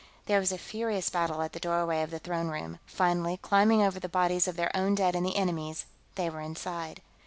There was a furious battle at the doorways of the throne room; finally, climbing over the bodies of their own dead and the enemy's, they were inside.